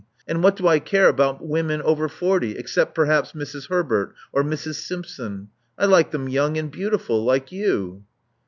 And what do I care about women over forty, except perhaps Mrs. Herbert— or Mrs. Simpson? I like them young and beautiful, like you."